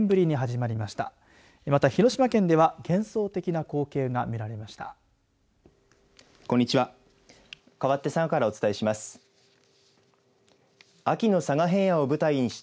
また、広島県では幻想的な光景が見られました。